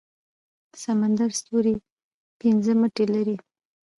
سمندري ستوری پنځه مټې لري